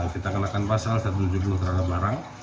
kita kenakan pasal satu ratus tujuh puluh terhadap barang